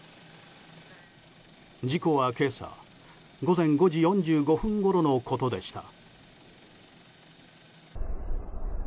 事故は今朝午前５時４５分ごろのことでした。